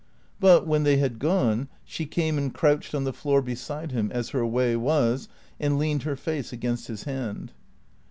But, when they had gone, she came and crouched on the floor beside him, as her way was, and leaned her face against his hand.